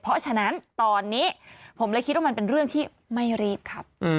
เพราะฉะนั้นตอนนี้ผมเลยคิดว่ามันเป็นเรื่องที่ไม่รีบครับ